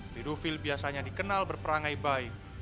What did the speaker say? pedofil biasanya dikenal berperangai baik